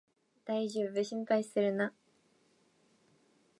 だいじょうぶ、心配するな